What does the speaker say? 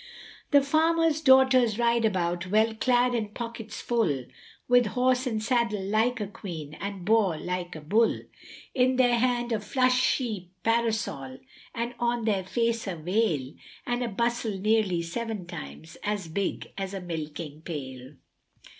The farmers' daughters ride about well clad and pockets full, With horse and saddle like a queen and boa like a bull, In their hand a flashy parasol, and on their face a veil, And a bustle nearly seven times as big as a milking pail.